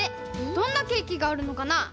どんなケーキがあるのかな？